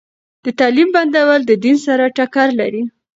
د تعليم بندول د دین سره ټکر لري.